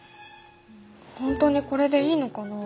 本当にこれでいいのかな？